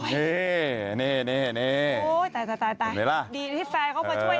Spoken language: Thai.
ดีที่แฟนเขามาช่วยทัน